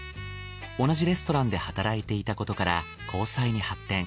同じレストランで働いていたことから交際に発展。